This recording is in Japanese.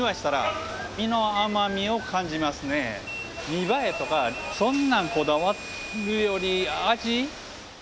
見栄えとかそんなんこだわるより味。